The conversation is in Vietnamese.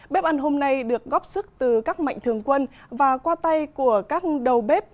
bếp ăn hôm nay được góp sức từ các mạnh thường quân và qua tay của các đầu bếp